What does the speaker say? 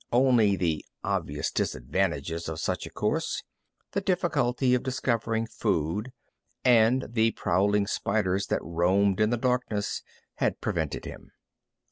Only the obvious disadvantages of such a course the difficulty of discovering food, and the prowling spiders that roamed in the darkness had prevented him.